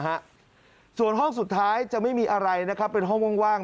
ห้องสุดท้ายจะไม่มีอะไรเป็นห้องว่าง